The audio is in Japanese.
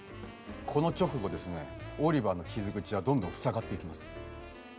この直後ですねオリバの傷口はどんどん塞がっていきます。